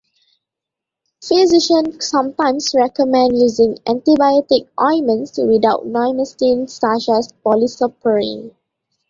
Physicians sometimes recommend using antibiotic ointments without neomycin, such as Polysporin.